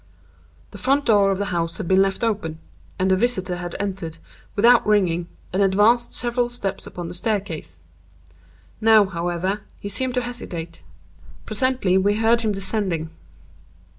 The front door of the house had been left open, and the visitor had entered, without ringing, and advanced several steps upon the staircase. Now, however, he seemed to hesitate. Presently we heard him descending.